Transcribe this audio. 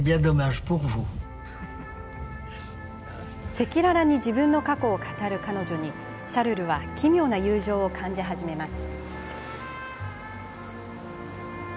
赤裸々に自分の過去を語る彼女にシャルルは奇妙な友情を感じ始めます。